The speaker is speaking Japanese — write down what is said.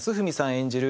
演じる